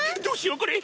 どうしよう？